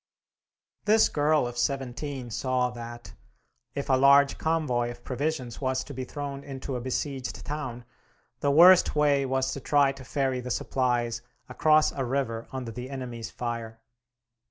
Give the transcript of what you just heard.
This girl of seventeen saw that, if a large convoy of provisions was to be thrown into a besieged town, the worst way was to try to ferry the supplies across a river under the enemy's fire.